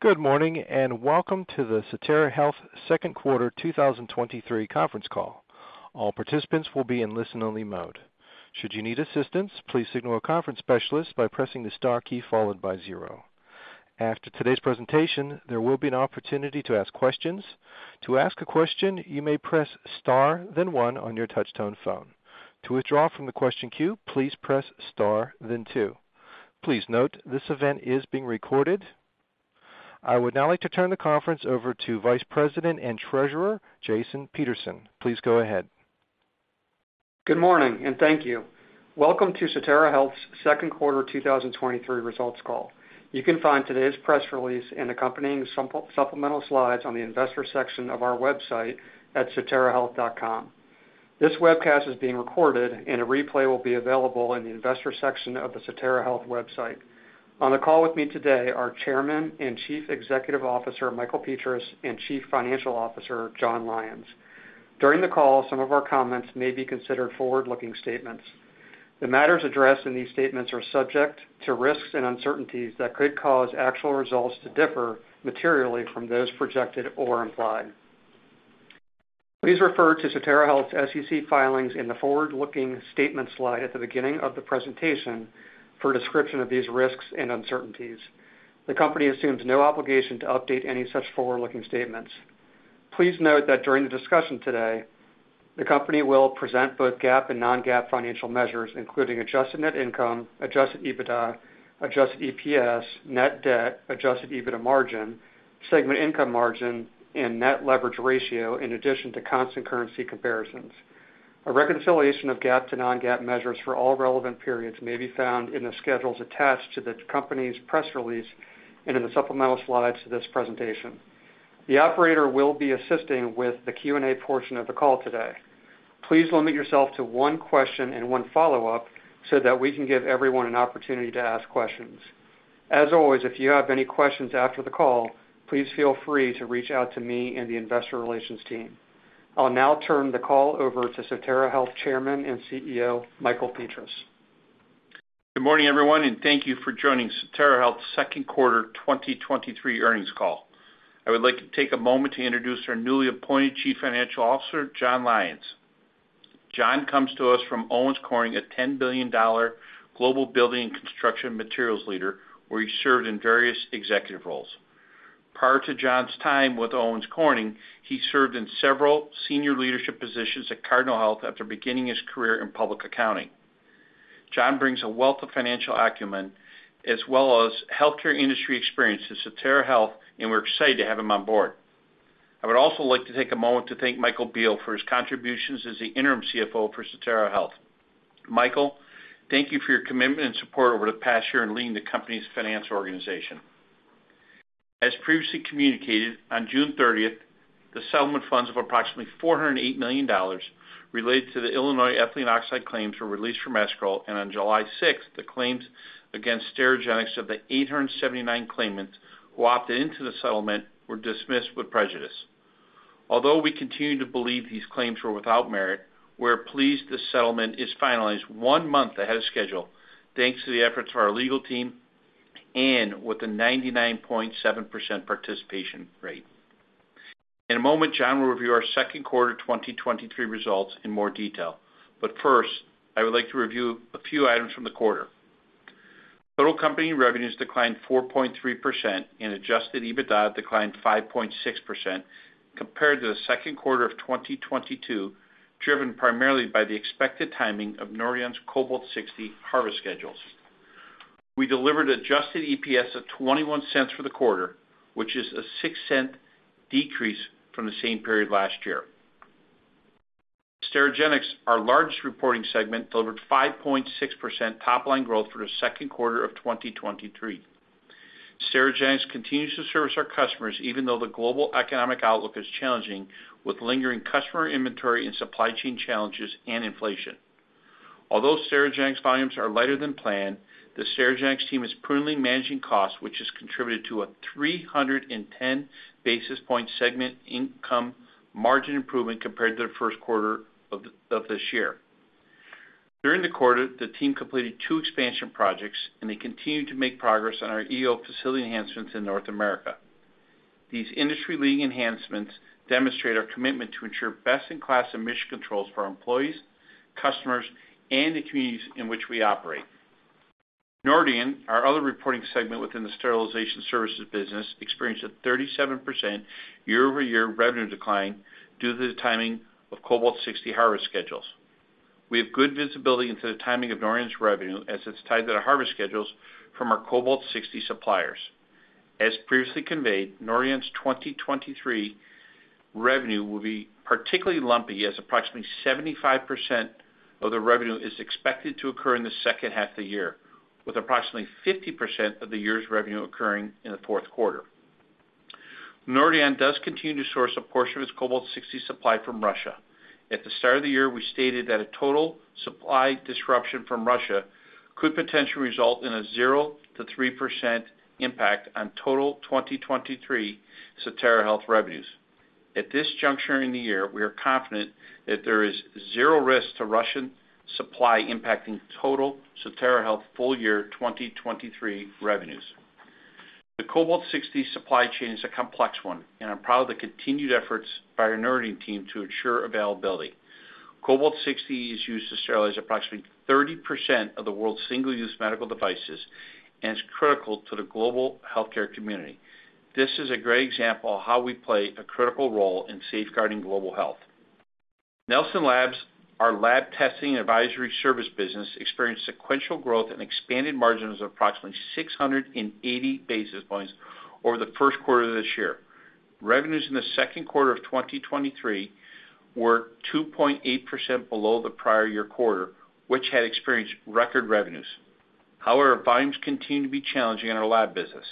Good morning, and welcome to the Sotera Health second quarter 2023 conference call. All participants will be in listen-only mode. Should you need assistance, please signal a conference specialist by pressing the Star key followed by 0. After today's presentation, there will be an opportunity to ask questions. To ask a question, you may press Star, then 1 on your touchtone phone. To withdraw from the question queue, please press Star, then 2. Please note, this event is being recorded. I would now like to turn the conference over to Vice President and Treasurer, Jason Peterson. Please go ahead. Good morning. Thank you. Welcome to Sotera Health's second quarter 2023 results call. You can find today's press release and accompanying supplemental slides on the investor section of our website at soterahealth.com. This webcast is being recorded, and a replay will be available in the investor section of the Sotera Health website. On the call with me today are Chairman and Chief Executive Officer, Michael Petras, and Chief Financial Officer, John Lyons. During the call, some of our comments may be considered forward-looking statements. The matters addressed in these statements are subject to risks and uncertainties that could cause actual results to differ materially from those projected or implied. Please refer to Sotera Health's SEC filings in the forward-looking statement slide at the beginning of the presentation for a description of these risks and uncertainties. The company assumes no obligation to update any such forward-looking statements. Please note that during the discussion today, the company will present both GAAP and non-GAAP financial measures, including adjusted net income, Adjusted EBITDA, Adjusted EPS, net debt, adjusted EBITDA margin, segment income margin, and net leverage ratio, in addition to constant currency comparisons. A reconciliation of GAAP to non-GAAP measures for all relevant periods may be found in the schedules attached to the company's press release and in the supplemental slides to this presentation. The operator will be assisting with the Q&A portion of the call today. Please limit yourself to one question and one follow-up so that we can give everyone an opportunity to ask questions. As always, if you have any questions after the call, please feel free to reach out to me and the investor relations team. I'll now turn the call over to Sotera Health Chairman and CEO, Michael Petras. Good morning, everyone, and thank you for joining Sotera Health's second quarter 2023 earnings call. I would like to take a moment to introduce our newly appointed Chief Financial Officer, John Lyons. John comes to us from Owens Corning, a $10 billion global building and construction materials leader, where he served in various executive roles. Prior to John's time with Owens Corning, he served in several senior leadership positions at Cardinal Health after beginning his career in public accounting. John brings a wealth of financial acumen, as well as healthcare industry experience to Sotera Health, and we're excited to have him on board. I would also like to take a moment to thank Michael Beale for his contributions as the interim CFO for Sotera Health. Michael, thank you for your commitment and support over the past year in leading the company's finance organization. As previously communicated, on June 30th, the settlement funds of approximately $408 million related to the Illinois ethylene oxide claims were released from escrow, and on July 6th, the claims against Sterigenics of the 879 claimants who opted into the settlement were dismissed with prejudice. Although we continue to believe these claims were without merit, we're pleased this settlement is finalized 1 month ahead of schedule, thanks to the efforts of our legal team and with a 99.7% participation rate. In a moment, John will review our second quarter 2023 results in more detail. First, I would like to review a few items from the quarter. Total company revenues declined 4.3%, and Adjusted EBITDA declined 5.6% compared to the second quarter of 2022, driven primarily by the expected timing of Nordion's Cobalt-60 harvest schedules. We delivered Adjusted EPS of $0.21 for the quarter, which is a $0.06 decrease from the same period last year. Sterigenics, our largest reporting segment, delivered 5.6% top-line growth for the second quarter of 2023. Sterigenics continues to service our customers even though the global economic outlook is challenging, with lingering customer inventory and supply chain challenges and inflation. Although Sterigenics volumes are lighter than planned, the Sterigenics team is prudently managing costs, which has contributed to a 310 basis point segment income margin improvement compared to the first quarter of this year. During the quarter, the team completed 2 expansion projects, and they continued to make progress on our EO facility enhancements in North America. These industry-leading enhancements demonstrate our commitment to ensure best-in-class emission controls for our employees, customers, and the communities in which we operate. Nordion, our other reporting segment within the sterilization services business, experienced a 37% year-over-year revenue decline due to the timing of Cobalt-60 harvest schedules. We have good visibility into the timing of Nordion's revenue, as it's tied to the harvest schedules from our Cobalt-60 suppliers. As previously conveyed, Nordion's 2023 revenue will be particularly lumpy, as approximately 75% of the revenue is expected to occur in the second half of the year, with approximately 50% of the year's revenue occurring in the fourth quarter. Nordion does continue to source a portion of its Cobalt-60 supply from Russia. At the start of the year, we stated that a total supply disruption from Russia could potentially result in a 0-3% impact on total 2023 Sotera Health revenues. At this juncture in the year, we are confident that there is 0 risk to Russian supply impacting total Sotera Health full year 2023 revenues. The Cobalt-60 supply chain is a complex one, and I'm proud of the continued efforts by our Nordion team to ensure availability. Cobalt-60 is used to sterilize approximately 30% of the world's single-use medical devices and is critical to the global healthcare community. This is a great example of how we play a critical role in safeguarding global health. Nelson Labs, our lab testing and advisory service business, experienced sequential growth and expanded margins of approximately 680 basis points over the first quarter of this year. Revenues in the second quarter of 2023 were 2.8% below the prior year quarter, which had experienced record revenues. Volumes continue to be challenging in our lab business.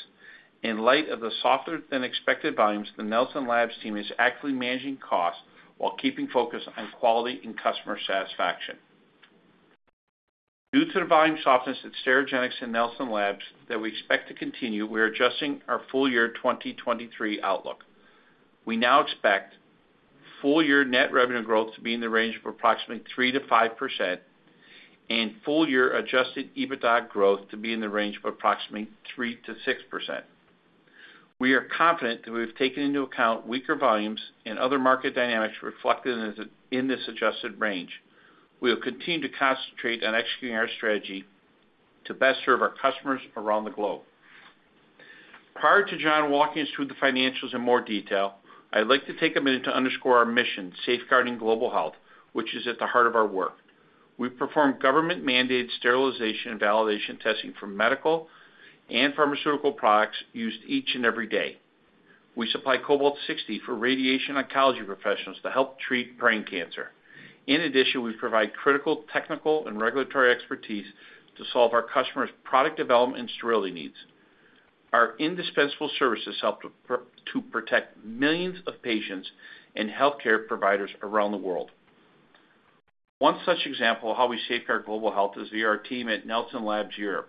In light of the softer-than-expected volumes, the Nelson Labs team is actively managing costs while keeping focused on quality and customer satisfaction. Due to the volume softness at Sterigenics and Nelson Labs that we expect to continue, we are adjusting our full year 2023 outlook. We now expect full year net revenue growth to be in the range of approximately 3%-5% and full year Adjusted EBITDA growth to be in the range of approximately 3%-6%. We are confident that we've taken into account weaker volumes and other market dynamics reflected in this adjusted range. We will continue to concentrate on executing our strategy to best serve our customers around the globe. Prior to John walking us through the financials in more detail, I'd like to take a minute to underscore our mission, safeguarding global health, which is at the heart of our work. We perform government-mandated sterilization and validation testing for medical and pharmaceutical products used each and every day. We supply Cobalt-60 for radiation oncology professionals to help treat brain cancer. In addition, we provide critical technical and regulatory expertise to solve our customers' product development and sterility needs. Our indispensable services help to protect millions of patients and healthcare providers around the world. One such example of how we safeguard global health is via our team at Nelson Labs year,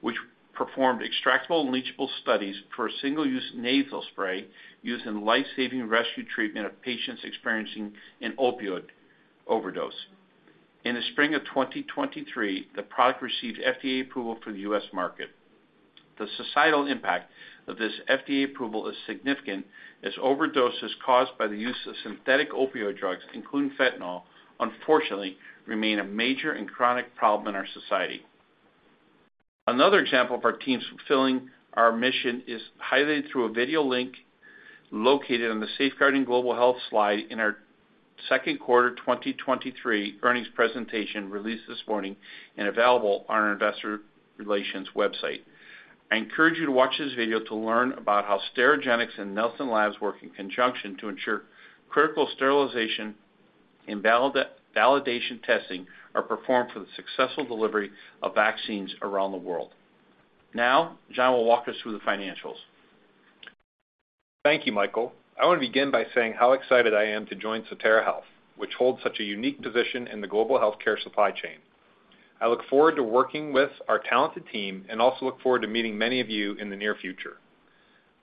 which performed extractables and leachables studies for a single-use nasal spray used in life-saving rescue treatment of patients experiencing an opioid overdose. In the spring of 2023, the product received FDA approval for the US market. The societal impact of this FDA approval is significant, as overdoses caused by the use of synthetic opioid drugs, including fentanyl, unfortunately, remain a major and chronic problem in our society. Another example of our teams fulfilling our mission is highlighted through a video link located on the Safeguarding Global Health slide in our second quarter 2023 earnings presentation, released this morning and available on our investor relations website. I encourage you to watch this video to learn about how Sterigenics and Nelson Labs work in conjunction to ensure critical sterilization and validation testing are performed for the successful delivery of vaccines around the world. Now, John will walk us through the financials. Thank you, Michael. I want to begin by saying how excited I am to join Sotera Health, which holds such a unique position in the global healthcare supply chain. I look forward to working with our talented team and also look forward to meeting many of you in the near future.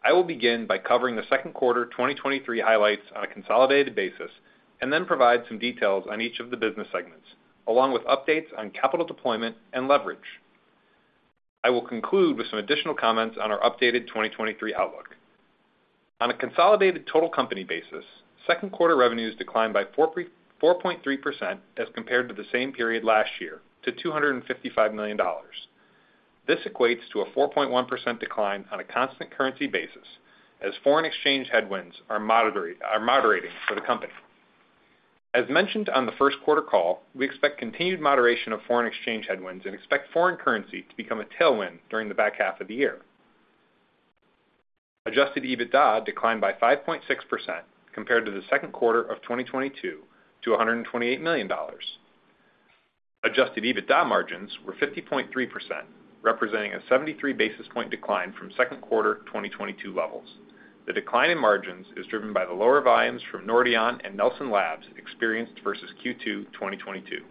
I will begin by covering the second quarter 2023 highlights on a consolidated basis, and then provide some details on each of the business segments, along with updates on capital deployment and leverage. I will conclude with some additional comments on our updated 2023 outlook. On a consolidated total company basis, second quarter revenues declined by 4.3% as compared to the same period last year, to $255 million. This equates to a 4.1% decline on a constant currency basis, as foreign exchange headwinds are moderating for the company. As mentioned on the first quarter call, we expect continued moderation of foreign exchange headwinds and expect foreign currency to become a tailwind during the back half of the year. Adjusted EBITDA declined by 5.6% compared to the second quarter of 2022, to $128 million. Adjusted EBITDA margins were 50.3%, representing a 73 basis point decline from 2Q 2022 levels. The decline in margins is driven by the lower volumes from Nordion and Nelson Labs experienced versus Q2 2022.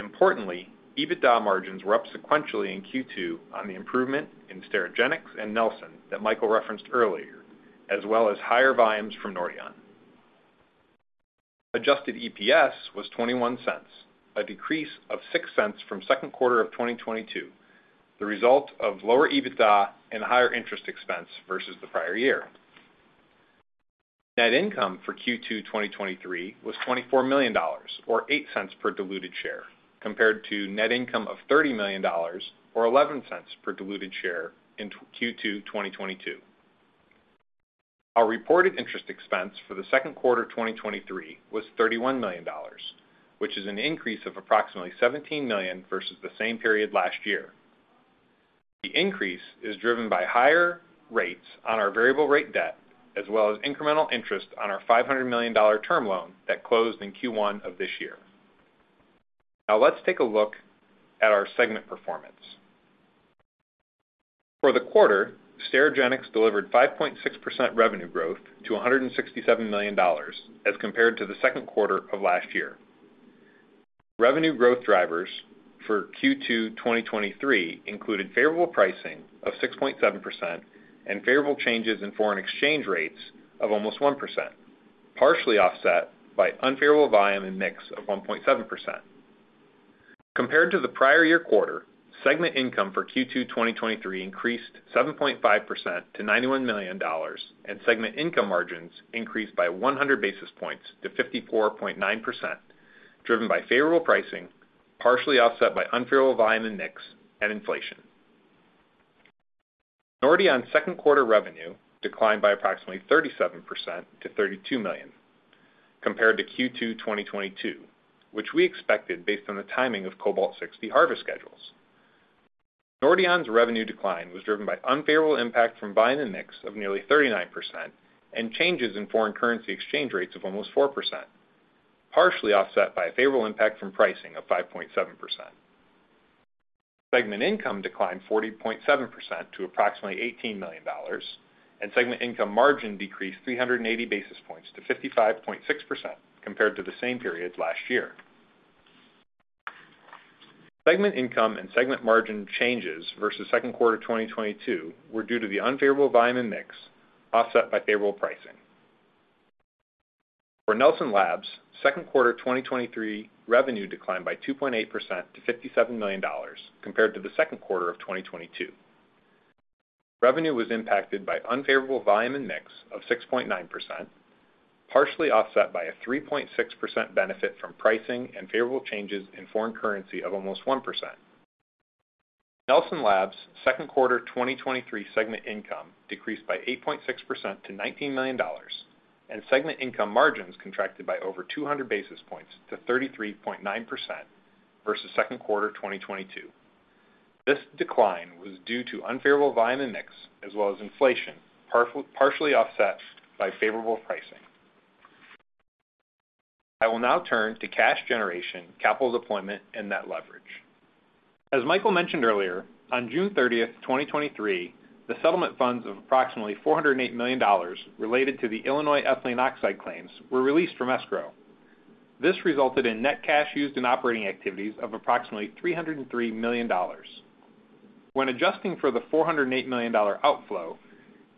Importantly, EBITDA margins were up sequentially in Q2 on the improvement in Sterigenics and Nelson that Michael referenced earlier, as well as higher volumes from Nordion. Adjusted EPS was $0.21, a decrease of $0.06 from second quarter of 2022, the result of lower EBITDA and higher interest expense versus the prior year. Net income for Q2 2023 was $24 million, or $0.08 per diluted share, compared to net income of $30 million, or $0.11 per diluted share in Q2 2022. Our reported interest expense for the second quarter of 2023 was $31 million, which is an increase of approximately $17 million versus the same period last year. The increase is driven by higher rates on our variable rate debt, as well as incremental interest on our $500 million term loan that closed in Q1 of this year. Let's take a look at our segment performance. For the quarter, Sterigenics delivered 5.6% revenue growth to $167 million, as compared to the second quarter of last year. Revenue growth drivers for Q2 2023 included favorable pricing of 6.7% and favorable changes in foreign exchange rates of almost 1%, partially offset by unfavorable volume and mix of 1.7%. Compared to the prior year quarter, segment income for Q2 2023 increased 7.5% to $91 million, and segment income margins increased by 100 basis points to 54.9%, driven by favorable pricing, partially offset by unfavorable volume and mix and inflation. Nordion second quarter revenue declined by approximately 37% to $32 million compared to Q2 2022, which we expected based on the timing of Cobalt-60 harvest schedules. Nordion's revenue decline was driven by unfavorable impact from volume and mix of nearly 39% and changes in foreign currency exchange rates of almost 4%, partially offset by a favorable impact from pricing of 5.7%. Segment income declined 40.7% to approximately $18 million, and segment income margin decreased 380 basis points to 55.6% compared to the same period last year. Segment income and segment margin changes versus second quarter 2022 were due to the unfavorable volume and mix, offset by favorable pricing. For Nelson Labs, second quarter 2023 revenue declined by 2.8% to $57 million compared to the second quarter of 2022. Revenue was impacted by unfavorable volume and mix of 6.9%, partially offset by a 3.6% benefit from pricing and favorable changes in foreign currency of almost 1%. Nelson Labs' second quarter 2023 segment income decreased by 8.6% to $19 million, and segment income margins contracted by over 200 basis points to 33.9% versus second quarter 2022. This decline was due to unfavorable volume and mix, as well as inflation, partially offset by favorable pricing. I will now turn to cash generation, capital deployment, and net leverage. As Michael mentioned earlier, on June 30, 2023, the settlement funds of approximately $408 million related to the Illinois ethylene oxide claims were released from escrow. This resulted in net cash used in operating activities of approximately $303 million. When adjusting for the $408 million outflow,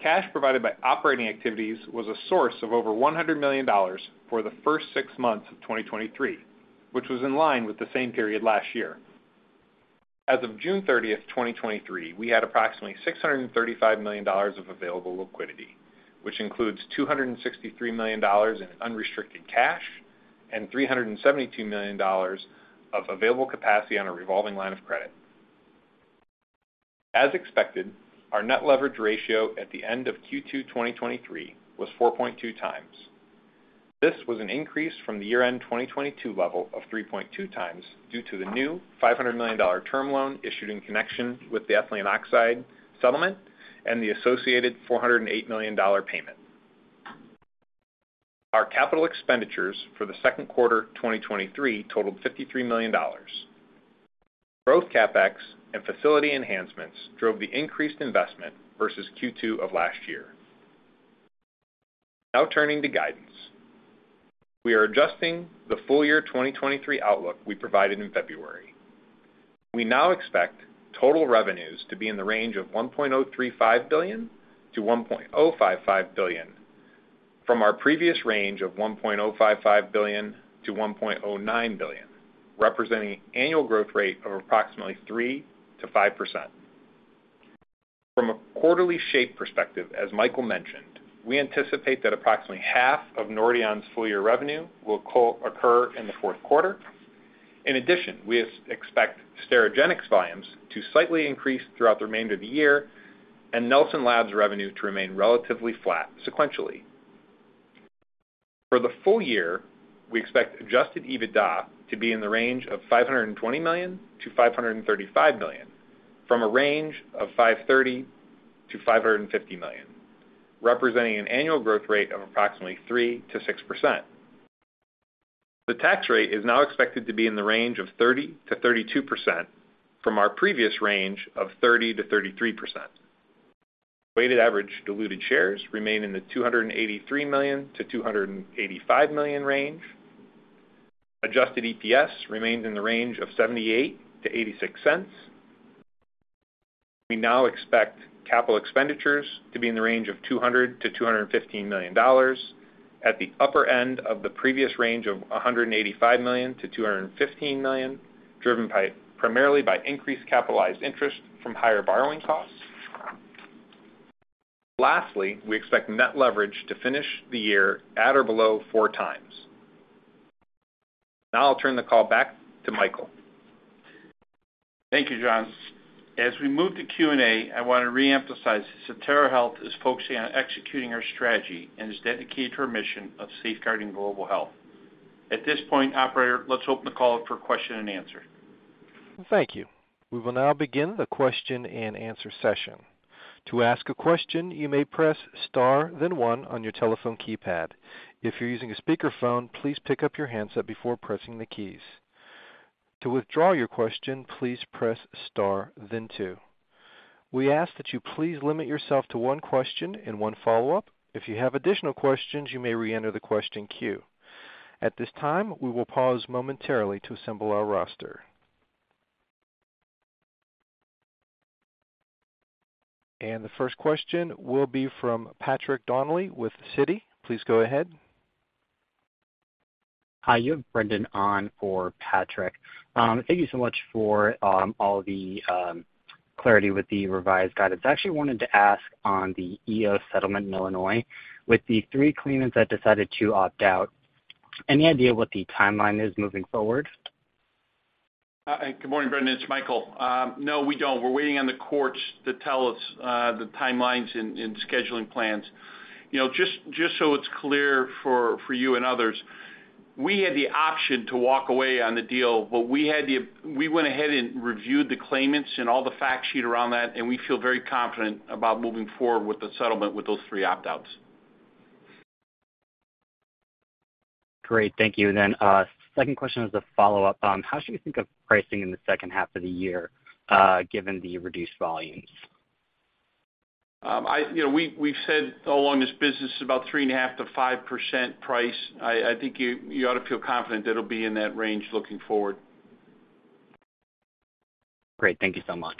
cash provided by operating activities was a source of over $100 million for the first 6 months of 2023, which was in line with the same period last year. As of June 30, 2023, we had approximately $635 million of available liquidity, which includes $263 million in unrestricted cash and $372 million of available capacity on a revolving line of credit. As expected, our net leverage ratio at the end of Q2 2023 was 4.2x. This was an increase from the year-end 2022 level of 3.2x due to the new $500 million term loan issued in connection with the ethylene oxide settlement and the associated $408 million payment. Our CapEx for the second quarter 2023 totaled $53 million. Growth CapEx and facility enhancements drove the increased investment versus Q2 of last year. Now turning to guidance. We are adjusting the full year 2023 outlook we provided in February. We now expect total revenues to be in the range of $1.035 billion-$1.055 billion, from our previous range of $1.055 billion-$1.09 billion, representing annual growth rate of approximately 3%-5%. From a quarterly shape perspective, as Michael mentioned, we anticipate that approximately half of Nordion's full year revenue will co-occur in the fourth quarter. In addition, we expect Sterigenics volumes to slightly increase throughout the remainder of the year and Nelson Labs revenue to remain relatively flat sequentially. For the full year, we expect Adjusted EBITDA to be in the range of $520 million-$535 million, from a range of $530 million-$550 million, representing an annual growth rate of approximately 3%-6%. The tax rate is now expected to be in the range of 30%-32% from our previous range of 30%-33%. Weighted average diluted shares remain in the 283 million-285 million range. Adjusted EPS remains in the range of $0.78-$0.86. We now expect capital expenditures to be in the range of $200 million-$215 million at the upper end of the previous range of $185 million-$215 million, driven by, primarily by increased capitalized interest from higher borrowing costs. Lastly, we expect net leverage to finish the year at or below 4 times. Now I'll turn the call back to Michael. Thank you, John. As we move to Q&A, I want to reemphasize that Sotera Health is focusing on executing our strategy and is dedicated to our mission of safeguarding global health. At this point, operator, let's open the call up for question and answer. Thank you. We will now begin the question-and-answer session. To ask a question, you may press Star, then one on your telephone keypad. If you're using a speakerphone, please pick up your handset before pressing the keys. To withdraw your question, please press Star, then two. We ask that you please limit yourself to one question and one follow-up. If you have additional questions, you may reenter the question queue. At this time, we will pause momentarily to assemble our roster. The first question will be from Patrick Donnelly with Citi. Please go ahead. Hi, you have Brendan on for Patrick. Thank you so much for all the clarity with the revised guidance. I actually wanted to ask on the EO settlement in Illinois, with the three claimants that decided to opt out, any idea what the timeline is moving forward? Hi, good morning, Brendan, it's Michael. No, we don't. We're waiting on the courts to tell us the timelines and scheduling plans. You know, just so it's clear for you and others, we had the option to walk away on the deal, we went ahead and reviewed the claimants and all the fact sheet around that, and we feel very confident about moving forward with the settlement with those three opt-outs. Great. Thank you. Second question as a follow-up. How should we think of pricing in the second half of the year, given the reduced volumes? You know, we, we've said all along, this business is about 3.5%-5% price. I, I think you, you ought to feel confident that it'll be in that range looking forward. Great. Thank you so much.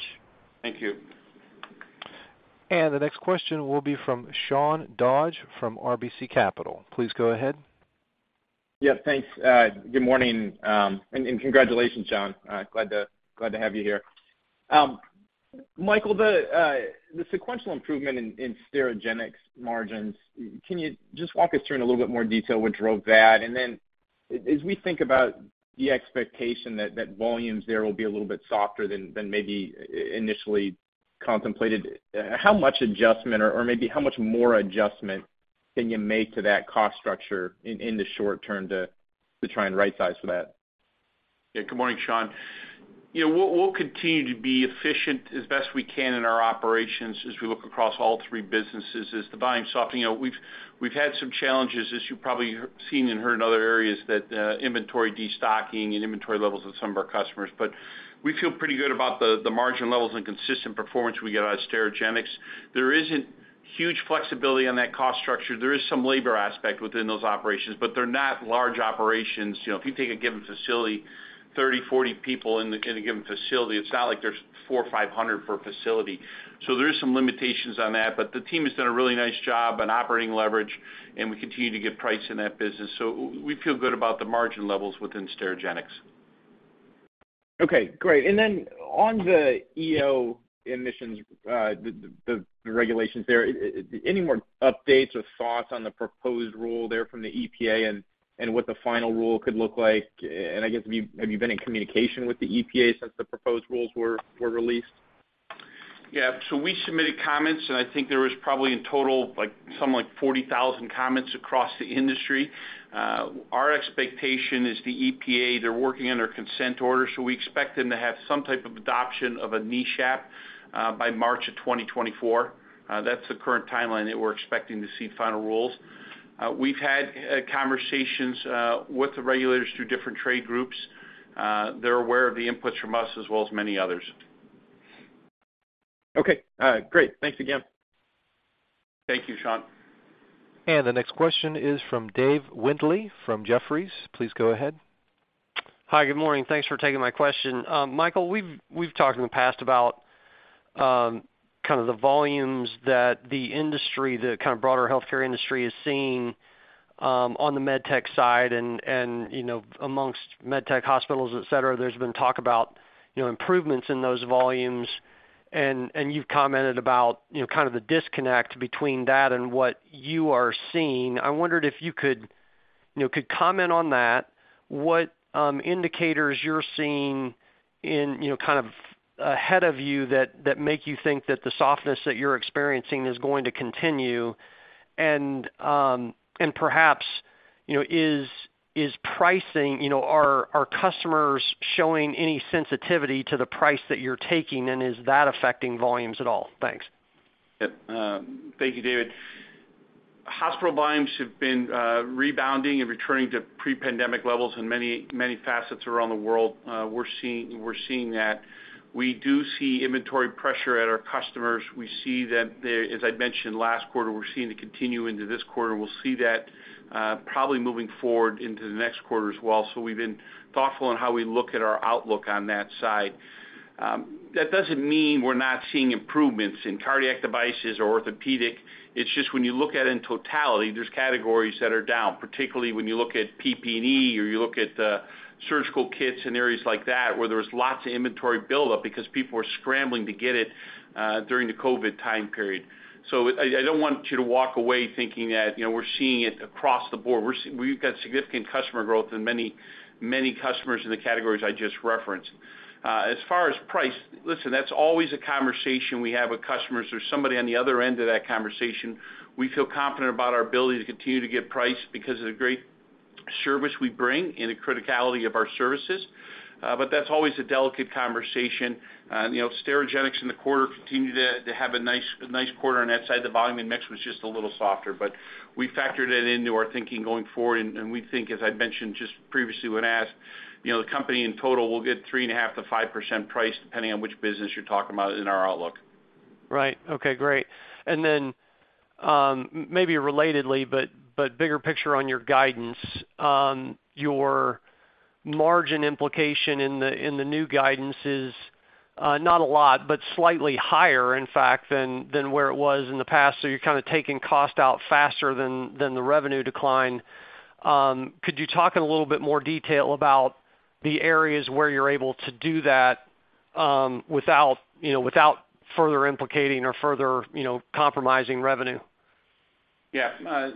Thank you. The next question will be from Sean Dodge from RBC Capital. Please go ahead. Yeah, thanks. Good morning, and congratulations, Sean. Glad to have you here. Michael, the sequential improvement in Sterigenics margins, can you just walk us through in a little bit more detail what drove that? As we think about the expectation that volumes there will be a little bit softer than maybe initially contemplated, how much adjustment or maybe how much more adjustment can you make to that cost structure in the short term to try and rightsize for that? Yeah, good morning, Sean. You know, we'll, we'll continue to be efficient as best we can in our operations as we look across all three businesses as the volume softening. You know, we've, we've had some challenges, as you've probably heard, seen and heard in other areas, that inventory destocking and inventory levels with some of our customers. We feel pretty good about the, the margin levels and consistent performance we get out of Sterigenics. There isn't huge flexibility on that cost structure. There is some labor aspect within those operations, but they're not large operations. You know, if you take a given facility, 30, 40 people in the, in a given facility, it's not like there's 400 or 500 per facility. There is some limitations on that, but the team has done a really nice job on operating leverage, and we continue to get price in that business. We feel good about the margin levels within Sterigenics. Okay, great. Then on the EO emissions, the regulations there, any more updates or thoughts on the proposed rule there from the EPA and what the final rule could look like? I guess, have you been in communication with the EPA since the proposed rules were released? We submitted comments, and I think there was probably in total, like, something like 40,000 comments across the industry. Our expectation is the EPA, they're working on their consent order, so we expect them to have some type of adoption of a NESHAP by March of 2024. That's the current timeline that we're expecting to see final rules. We've had conversations with the regulators through different trade groups. They're aware of the inputs from us as well as many others. Okay, great. Thanks again. Thank you, Sean. The next question is from David Windley from Jefferies. Please go ahead. Hi, good morning. Thanks for taking my question. Michael, we've, we've talked in the past about, kind of the volumes that the industry, the kind of broader healthcare industry, is seeing on the med tech side and, and, you know, amongst med tech hospitals, et cetera, there's been talk about, you know, improvements in those volumes. And, and you've commented about, you know, kind of the disconnect between that and what you are seeing. I wondered if you could, you know, could comment on that, what indicators you're seeing in, you know, kind of ahead of you, that, that make you think that the softness that you're experiencing is going to continue? And, and perhaps, you know, is, is pricing... You know, are, are customers showing any sensitivity to the price that you're taking, and is that affecting volumes at all? Thanks. Yep. Thank you, David. Hospital volumes have been rebounding and returning to pre-pandemic levels in many, many facets around the world. We're seeing, we're seeing that. We do see inventory pressure at our customers. We see that, as I mentioned last quarter, we're seeing it continue into this quarter. We'll see that, probably moving forward into the next quarter as well. We've been thoughtful on how we look at our outlook on that side. That doesn't mean we're not seeing improvements in cardiac devices or orthopedic. It's just when you look at it in totality, there's categories that are down, particularly when you look at PP&E or you look at surgical kits and areas like that, where there was lots of inventory buildup because people were scrambling to get it during the COVID time period. I don't want you to walk away thinking that, you know, we're seeing it across the board. We've got significant customer growth and many, many customers in the categories I just referenced. As far as price, listen, that's always a conversation we have with customers. There's somebody on the other end of that conversation. We feel confident about our ability to continue to get price because of the great service we bring and the criticality of our services. That's always a delicate conversation. You know, Sterigenics in the quarter continued to have a nice, nice quarter on that side. The volume and mix was just a little softer, but we factored it into our thinking going forward, and, and we think, as I mentioned just previously when asked, you know, the company in total will get 3.5%-5% price, depending on which business you're talking about in our outlook.... Right. Okay, great. Then, maybe relatedly, but, but bigger picture on your guidance. Your margin implication in the new guidance is not a lot, but slightly higher, in fact, than, than where it was in the past. You're kind of taking cost out faster than, than the revenue decline. Could you talk in a little bit more detail about the areas where you're able to do that, without, you know, without further implicating or further, you know, compromising revenue? Yeah.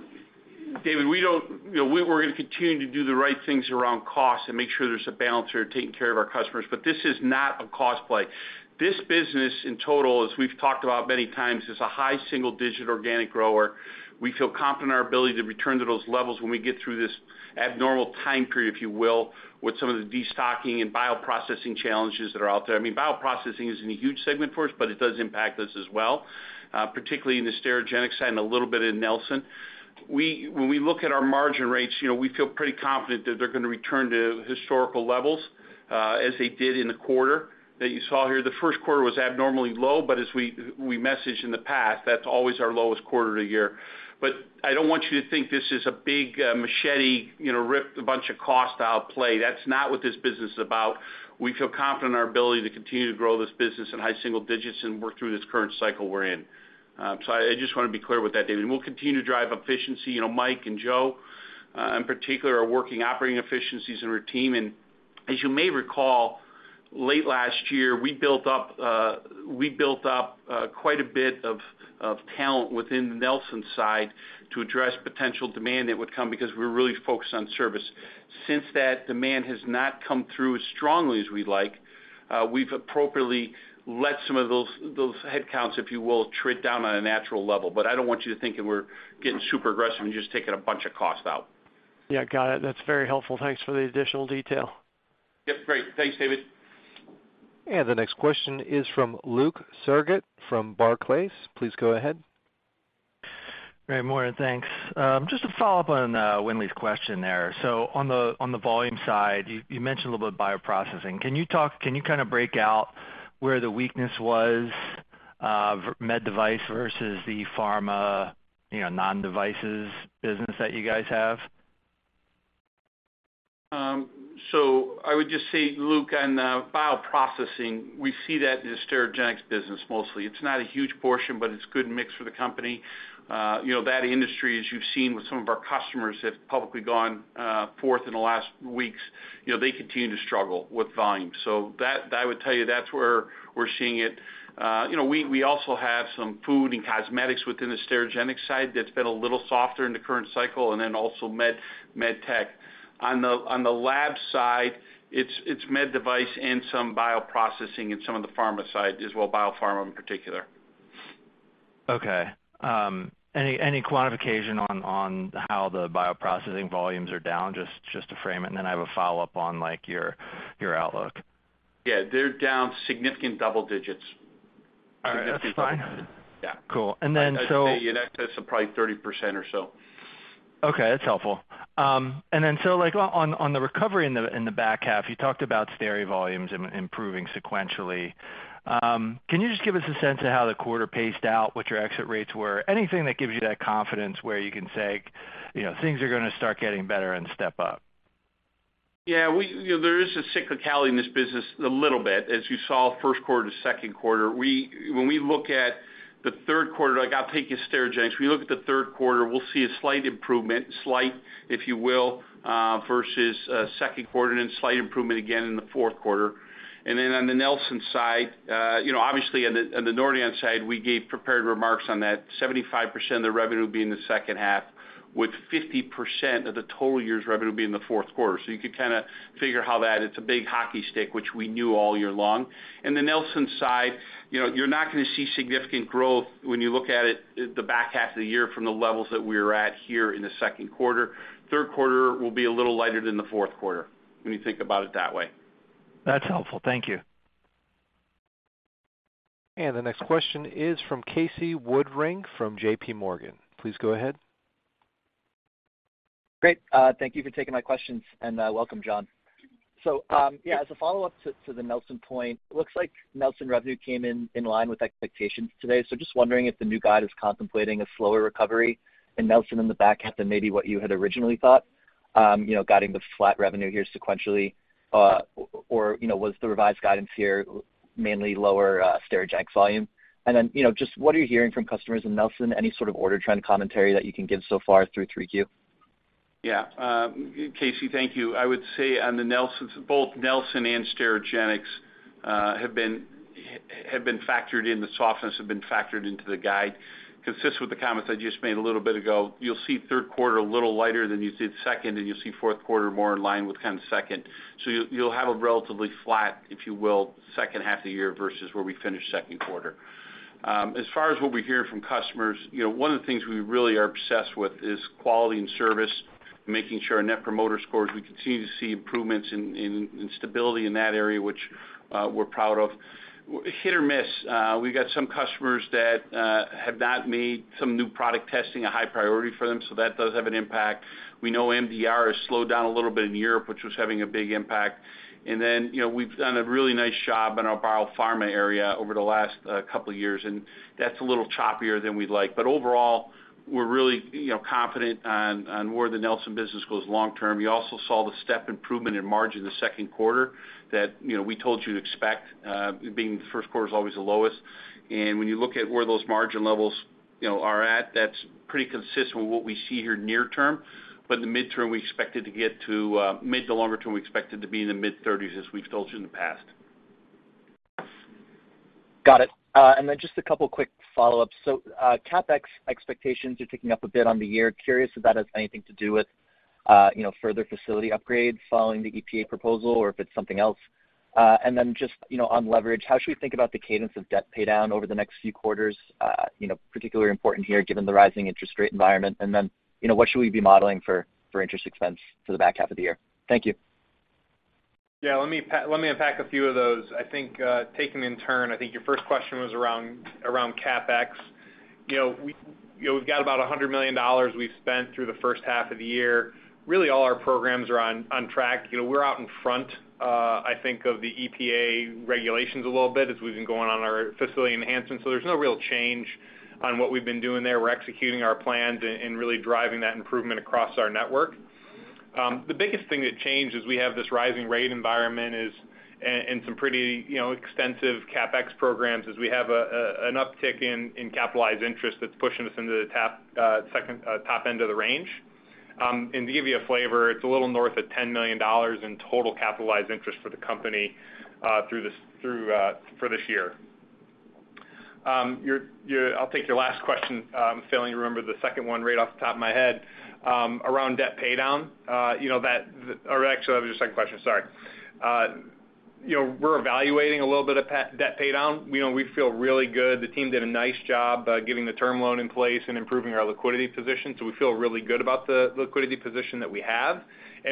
David, we don't, you know, we we're gonna continue to do the right things around cost and make sure there's a balance here taking care of our customers, but this is not a cost play. This business, in total, as we've talked about many times, is a high single-digit organic grower. We feel confident in our ability to return to those levels when we get through this abnormal time period, if you will, with some of the destocking and bioprocessing challenges that are out there. I mean, bioprocessing isn't a huge segment for us, but it does impact us as well, particularly in the Sterigenics side and a little bit in Nelson. When we look at our margin rates, you know, we feel pretty confident that they're gonna return to historical levels, as they did in the quarter that you saw here. The first quarter was abnormally low, as we, we messaged in the past, that's always our lowest quarter of the year. I don't want you to think this is a big, machete, you know, rip a bunch of cost out play. That's not what this business is about. We feel confident in our ability to continue to grow this business in high single digits and work through this current cycle we're in. I, I just wanna be clear with that, David. We'll continue to drive efficiency. You know, Mike and Joe, in particular, are working operating efficiencies in our team. As you may recall, late last year, we built up, we built up, quite a bit of, of talent within the Nelson side to address potential demand that would come because we're really focused on service. Since that demand has not come through as strongly as we'd like, we've appropriately let some of those, those headcounts, if you will, tread down on a natural level. I don't want you to think that we're getting super aggressive and just taking a bunch of costs out. Yeah, got it. That's very helpful. Thanks for the additional detail. Yep, great. Thanks, David. The next question is from Luke Sergott from Barclays. Please go ahead. Great, morning, thanks. Just to follow up on, Windley's question there. On the, on the volume side, you, you mentioned a little bit of bioprocessing. Can you kind of break out where the weakness was, med device versus the pharma, non-devices business that you guys have? I would just say, Luke, on bioprocessing, we see that in the Sterigenics business mostly. It's not a huge portion, but it's a good mix for the company. You know, that industry, as you've seen with some of our customers, have publicly gone forth in the last weeks. You know, they continue to struggle with volume. That, I would tell you, that's where we're seeing it. You know, we, we also have some food and cosmetics within the Sterigenics side that's been a little softer in the current cycle, and then also med, med tech. On the, on the lab side, it's, it's med device and some bioprocessing and some of the pharma side as well, biopharma in particular. Okay, any, any quantification on, on how the bioprocessing volumes are down? Just, just to frame it, and then I have a follow-up on, like, your, your outlook. Yeah, they're down significant double digits. That's fine. Yeah. Cool. Then. I'd say in excess of probably 30% or so. Okay, that's helpful. Like, on, on, on the recovery in the, in the back half, you talked about steri volumes improving sequentially. Can you just give us a sense of how the quarter paced out, what your exit rates were? Anything that gives you that confidence where you can say, you know, things are gonna start getting better and step up. Yeah, you know, there is a cyclicality in this business a little bit, as you saw, first quarter to second quarter. When we look at the third quarter, like, I'll take a Sterigenics. We look at the third quarter, we'll see a slight improvement, slight, if you will, versus second quarter, and then slight improvement again in the fourth quarter. On the Nelson side, you know, obviously, on the Nordion side, we gave prepared remarks on that. 75% of the revenue will be in the second half, with 50% of the total year's revenue being in the fourth quarter. You could kind of figure how that, it's a big hockey stick, which we knew all year long. In the Nelson side, you know, you're not gonna see significant growth when you look at it, the back half of the year from the levels that we're at here in the second quarter. Third quarter will be a little lighter than the fourth quarter, when you think about it that way. That's helpful. Thank you. The next question is from Casey Woodring, from J.P. Morgan. Please go ahead. Great, thank you for taking my questions, welcome, John. Yeah, as a follow-up to the Nelson point, it looks like Nelson revenue came in in line with expectations today. Just wondering if the new guide is contemplating a slower recovery in Nelson in the back half than maybe what you had originally thought, you know, guiding the flat revenue here sequentially, or, you know, was the revised guidance here mainly lower Sterigenics volume? Then, you know, just what are you hearing from customers in Nelson? Any sort of order trend commentary that you can give so far through 3Q? Yeah, Casey, thank you. I would say on the Nelson, both Nelson and Sterigenics have been, have been factored in, the softness have been factored into the guide. Consists with the comments I just made a little bit ago, you'll see third quarter a little lighter than you did second, and you'll see fourth quarter more in line with kind of second. You'll, you'll have a relatively flat, if you will, second half of the year versus where we finished second quarter. As far as what we hear from customers, you know, one of the things we really are obsessed with is quality and service. Making sure our Net Promoter Score, we continue to see improvements in, in, in stability in that area, which we're proud of. Hit or miss, we've got some customers that have not made some new product testing a high priority for them, so that does have an impact. We know MDR has slowed down a little bit in Europe, which was having a big impact. You know, we've done a really nice job in our biopharma area over the last couple years, and that's a little choppier than we'd like. Overall, we're really, you know, confident on, on where the Nelson business goes long term. You also saw the step improvement in margin in the second quarter that, you know, we told you to expect, being the first quarter is always the lowest. When you look at where those margin levels, you know, are at, that's pretty consistent with what we see here near term. In the midterm, we expect it to get to, mid to longer term, we expect it to be in the mid thirties, as we've told you in the past. Got it. Just a couple quick follow-ups. CapEx expectations are ticking up a bit on the year. Curious if that has anything to do with, you know, further facility upgrades following the EPA proposal, or if it's something else. Just, you know, on leverage, how should we think about the cadence of debt paydown over the next few quarters? You know, particularly important here, given the rising interest rate environment. You know, what should we be modeling for, for interest expense for the back half of the year? Thank you. Yeah, let me let me unpack a few of those. I think, taking in turn, I think your first question was around, around CapEx. You know, we, you know, we've got about $100 million we've spent through the first half of the year. Really, all our programs are on, on track. You know, we're out in front, I think, of the EPA regulations a little bit as we've been going on our facility enhancements. There's no real change on what we've been doing there. We're executing our plans and, and really driving that improvement across our network. The biggest thing that changed is we have this rising rate environment, and some pretty, you know, extensive CapEx programs. We have an uptick in capitalized interest that's pushing us into the top, second, top end of the range. To give you a flavor, it's a little north of $10 million in total capitalized interest for the company for this year. Your, your, I'll take your last question. Failing to remember the second one right off the top of my head. Around debt paydown, you know, that. Or actually, that was your second question, sorry. You know, we're evaluating a little bit of debt paydown. You know, we feel really good. The team did a nice job getting the term loan in place and improving our liquidity position, so we feel really good about the liquidity position that we have.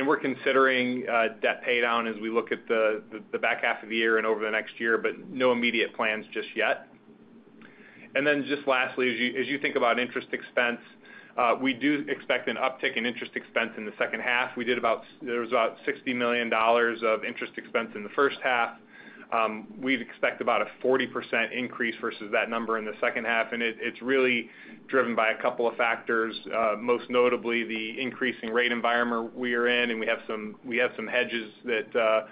We're considering debt paydown as we look at the, the back half of the year and over the next year, but no immediate plans just yet. Then just lastly, as you, as you think about interest expense, we do expect an uptick in interest expense in the second half. There was about $60 million of interest expense in the first half. We'd expect about a 40% increase versus that number in the second half, and it, it's really driven by a couple of factors, most notably the increasing rate environment we are in, and we have some, we have some hedges that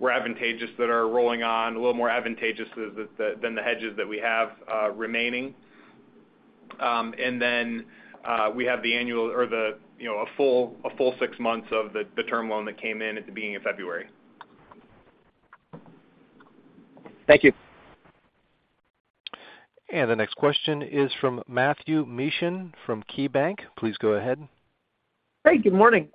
were advantageous that are rolling on, a little more advantageous than the, than the hedges that we have remaining. Then, we have the annual or the, you know, a full, a full 6 months of the, the term loan that came in at the beginning of February. Thank you. The next question is from Matthew Mishan from KeyBanc Capital Markets. Please go ahead. Hey, good morning.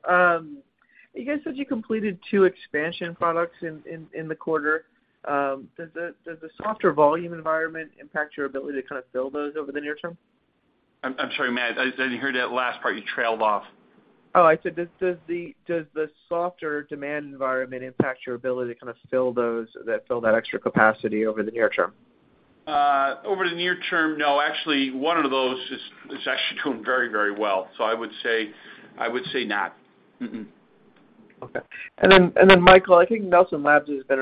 You guys said you completed 2 expansion projects in, in, in the quarter. Does the, does the softer volume environment impact your ability to kind of fill those over the near term? I'm sorry, Matt, I didn't hear that last part. You trailed off. Does the softer demand environment impact your ability to kind of fill that extra capacity over the near term? Over the near term, no. Actually, one of those is, is actually doing very, very well. I would say, I would say not. Mm-mm. Okay. Then, Michael, I think Nelson Labs has been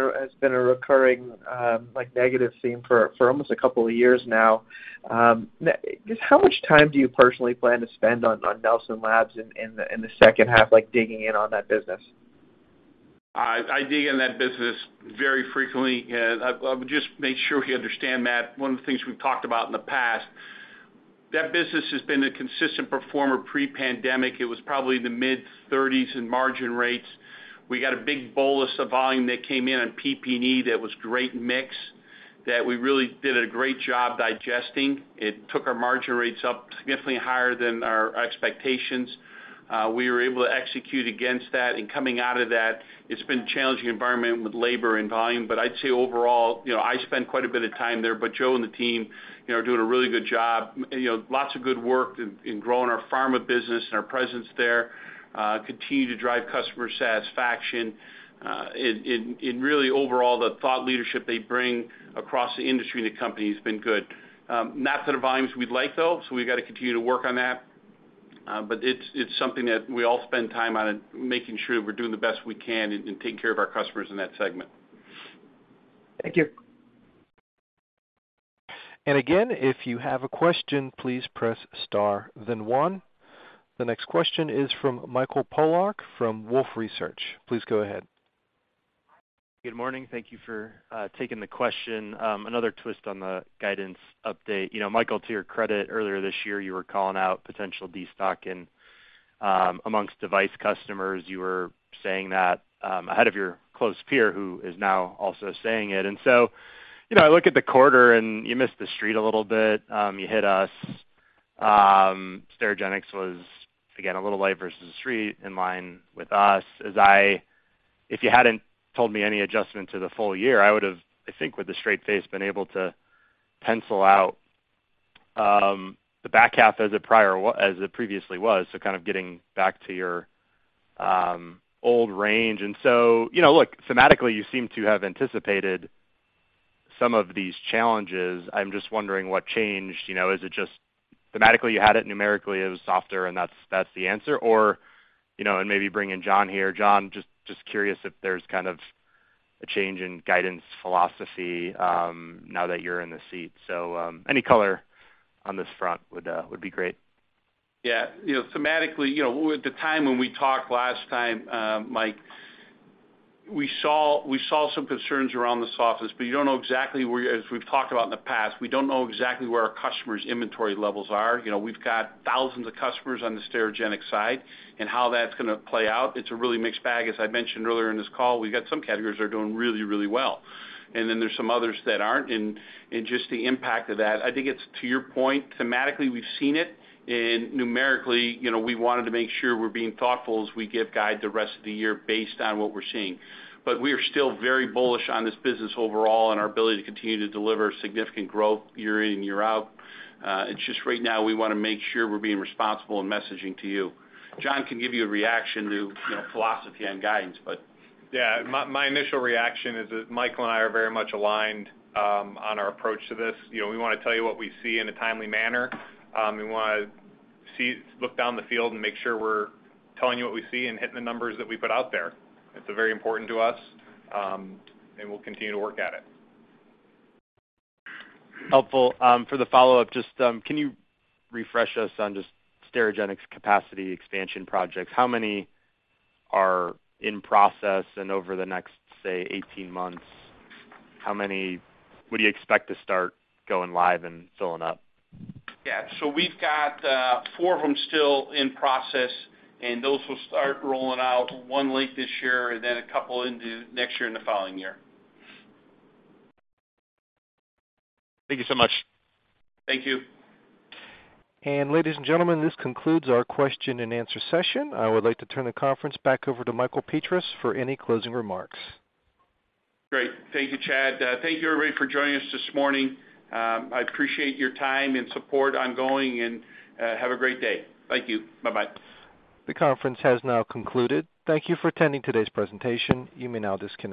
a recurring, negative theme for, for almost a couple of years now. Just how much time do you personally plan to spend on Nelson Labs in the second half, digging in on that business? I dig in that business very frequently, and I, I would just make sure we understand that. One of the things we've talked about in the past, that business has been a consistent performer pre-pandemic. It was probably the mid-30s in margin rates. We got a big bolus of volume that came in on PP&E that was great mix, that we really did a great job digesting. It took our margin rates up significantly higher than our expectations. We were able to execute against that, and coming out of that, it's been a challenging environment with labor and volume. I'd say overall, you know, I spend quite a bit of time there, but Joe and the team, you know, are doing a really good job. You know, lots of good work in, in growing our pharma business and our presence there, continue to drive customer satisfaction. Really overall, the thought leadership they bring across the industry and the company has been good. Not the volumes we'd like, though, so we've got to continue to work on that. It's, it's something that we all spend time on and making sure we're doing the best we can and, and taking care of our customers in that segment. Thank you. Again, if you have a question, please press star then one. The next question is from Michael Polark from Wolfe Research. Please go ahead. Good morning. Thank you for taking the question. Another twist on the guidance update. You know, Michael, to your credit, earlier this year, you were calling out potential destocking amongst device customers. You were saying that ahead of your close peer, who is now also saying it. You know, I look at the quarter, and you missed the street a little bit. You hit us. Sterigenics was, again, a little light versus the street, in line with us. If you hadn't told me any adjustment to the full year, I would have, I think, with a straight face, been able to pencil out the back half as it previously was, so kind of getting back to your old range. You know, look, thematically, you seem to have anticipated some of these challenges. I'm just wondering what changed. You know, is it just thematically, you had it, numerically, it was softer, and that's, that's the answer? You know, and maybe bring in John here. John, just, just curious if there's kind of a change in guidance philosophy, now that you're in the seat? Any color on this front would be great. Yeah. You know, thematically, you know, at the time when we talked last time, Mike, we saw some concerns around the softness, but you don't know exactly where. As we've talked about in the past, we don't know exactly where our customers' inventory levels are. You know, we've got thousands of customers on the Sterigenics side, and how that's gonna play out, it's a really mixed bag. As I mentioned earlier in this call, we've got some categories that are doing really, really well, and then there's some others that aren't, and just the impact of that. I think it's to your point, thematically, we've seen it. Numerically, you know, we wanted to make sure we're being thoughtful as we give guide the rest of the year based on what we're seeing. We are still very bullish on this business overall and our ability to continue to deliver significant growth year in, year out. It's just right now, we wanna make sure we're being responsible in messaging to you. John can give you a reaction to, you know, philosophy on guidance, but-. Yeah. My, my initial reaction is that Michael and I are very much aligned, on our approach to this. You know, we wanna tell you what we see in a timely manner. We wanna look down the field and make sure we're telling you what we see and hitting the numbers that we put out there. It's very important to us, and we'll continue to work at it. Helpful. For the follow-up, just, can you refresh us on just Sterigenics capacity expansion projects? How many are in process, and over the next, say, 18 months, how many would you expect to start going live and filling up? Yeah. We've got 4 of them still in process, and those will start rolling out 1 late this year and then a couple into next year and the following year. Thank you so much. Thank you. Ladies and gentlemen, this concludes our question-and-answer session. I would like to turn the conference back over to Michael Petras for any closing remarks. Great. Thank you, Chad. Thank you, everybody, for joining us this morning. I appreciate your time and support ongoing, and have a great day. Thank you. Bye-bye. The conference has now concluded. Thank you for attending today's presentation. You may now disconnect.